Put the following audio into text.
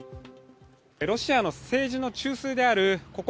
ロシアの政治の中枢であるここ